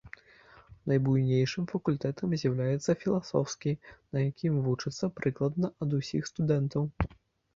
Найбуйным факультэтам з'яўляецца філасофскі, на якім вучацца прыкладна ад усіх студэнтаў.